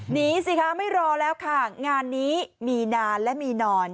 สิคะไม่รอแล้วค่ะงานนี้มีนานและมีนอน